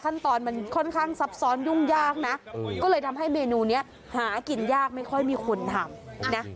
ขั้นตอนมันค่อนข้างซับซ้อนยุ่งยากนะก็เลยทำให้เมนูนี้หากินยากไม่ค่อยมีคนทำนะ